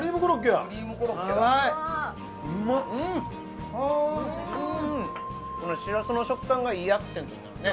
やうまっしらすの食感がいいアクセントになるね